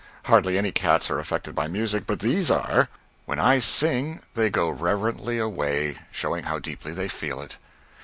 Hardly any cats are affected by music, but these are; when I sing they go reverently away, showing how deeply they feel it.